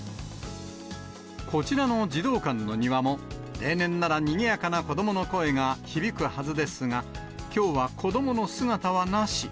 こちらの児童館の庭も、例年ならにぎやかな子どもの声が響くはずですが、きょうは子どもの姿はなし。